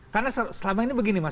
karena selama ini begini mas